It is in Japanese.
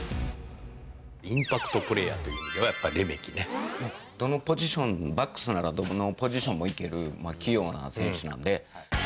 インパクトプレーヤーというどのポジション、バックスならどこのポジションもいける器用な選手なんで。